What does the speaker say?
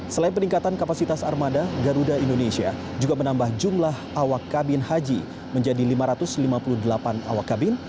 selain peningkatan kapasitas armada garuda indonesia juga menambah jumlah awak kabin haji menjadi lima ratus lima puluh delapan awak kabin